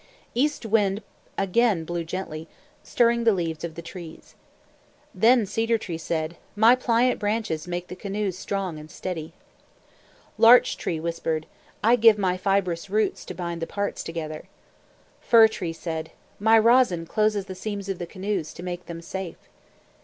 East Wind again blew gently, stirring the leaves of the trees. Then Cedar Tree said, "My pliant branches make the canoes strong and steady." Larch Tree whispered, "I give my fibrous roots to bind the parts together." Fir Tree said, "My rosin closes the seams of the canoes, to make them safe."